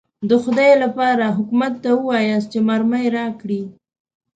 د خدای لپاره حکومت ته ووایاست چې مرمۍ راکړي.